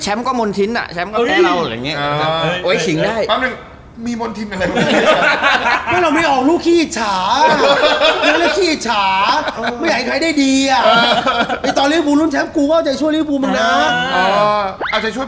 แชมเปา์ก็มณธินด์น่ะแชมเปา์ก็แผนเราอะไรแบบนี้